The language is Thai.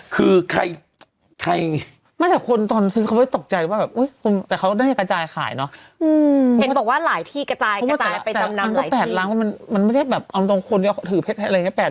คือใครไม่ไม่แต่ควีสต์อ่อใจว่าแต่เขาด้วยกระจายขายเนอะอ่มผมบอกว่าหลายที่กระจายกระจายไปตามนำเหล็กทิศที่มันมันไม่ได้แบบ